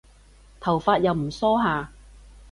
頭髮又唔梳下